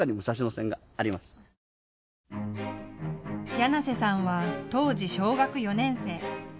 柳瀬さんは当時小学４年生。